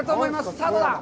さあ、どうだ！